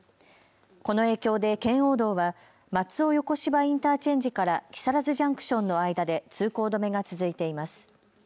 この影響で圏央道は松尾横芝インターチェンジから木更津ジャンクションの間で通行止めが続いています。